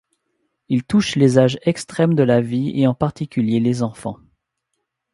Il touche les âges extrêmes de la vie et en particulier les enfants.